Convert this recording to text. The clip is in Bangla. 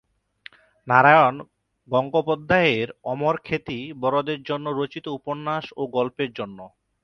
নারায়ণ গঙ্গোপাধ্যায়ের অমর খ্যাতি বড়দের জন্য রচিত উপন্যাস ও গল্পের জন্য।